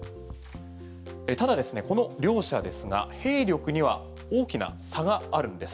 ただ、この両者ですが兵力には大きな差があるんです。